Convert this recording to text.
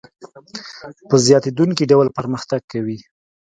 په زیاتېدونکي ډول پرمختګ کوي